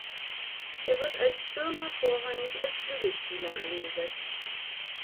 Er wird als Stürmer vorrangig als Flügelspieler eingesetzt.